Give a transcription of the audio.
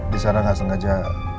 di sana gak sengaja